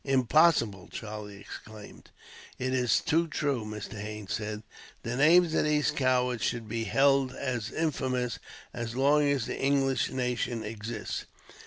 "Impossible!" Charlie exclaimed. "It is too true," Mr. Haines said. "The names of these cowards should be held as infamous, as long as the English nation exists.